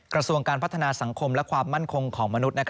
กระทรวงการพัฒนาสังคมและความมั่นคงของมนุษย์